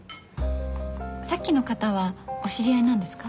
さっきの方はお知り合いなんですか？